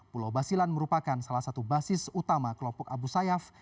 pulau basilan merupakan salah satu basis utama kelompok abu sayyaf